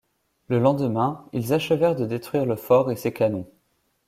Le lendemain, ils achevèrent de détruire le fort et ses canons.